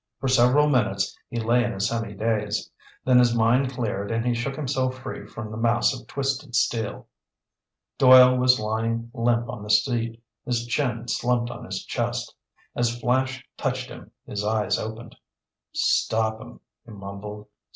For several minutes he lay in a semi daze. Then his mind cleared and he shook himself free from the mass of twisted steel. Doyle was lying limp on the seat, his chin slumped on his chest. As Flash touched him, his eyes opened. "Stop 'em," he mumbled.